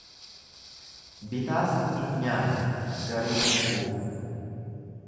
Bitaas in nyaata garuu hin quufu.